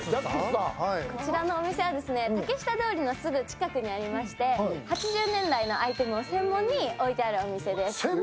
こちらのお店はですね、竹下通りのすぐ近くにありまして、８０年代のアイテムを専門に置いているお店です。